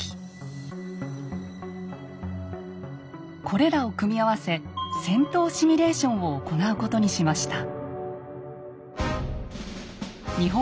これらを組み合わせ戦闘シミュレーションを行うことにしました。